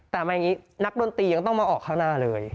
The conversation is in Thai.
แต่มาอย่างนี้นักดนตรียังต้องมาออกข้างหน้าเลย